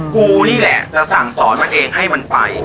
กูนี่แหละจะสั่งสอนมาเองให้มันไป